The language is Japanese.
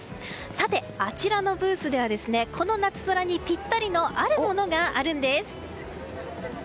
さて、あちらのブースではこの夏空にピッタリなあるものがあるんです。